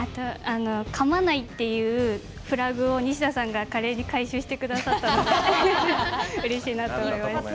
かまないっていうフラグをニシダさんが華麗に回収して下さったのでうれしいなと思います。